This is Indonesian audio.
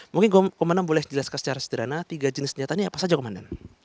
mungkin komandan boleh dijelaskan secara sederhana tiga jenis senjatanya apa saja komandan